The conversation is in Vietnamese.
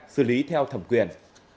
xử lý theo thẩm quyền